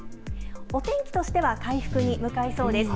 お天気としては回復に向かいそうです。